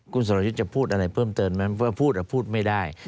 คุณสนุชจะพูดอะไรเพิ่มเติมไหมพูดอะพูดไม่ได้